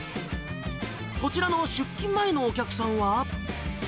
こちらの出勤前のお客さんは。